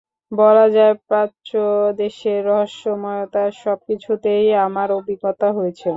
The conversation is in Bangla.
বলা যায়, প্রাচ্য দেশের রহস্যময়তার সবকিছুইতেই আমার অভিজ্ঞতা হয়েছে।